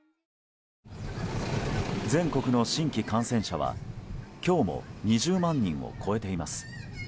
全国の新規感染者は今日も２０万人を超えています。